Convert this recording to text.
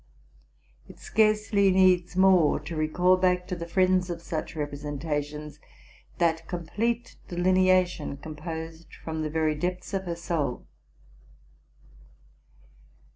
It scarcely needs more to recall back to the friends of such representations, that complete delineation composed from the very depths of her soul.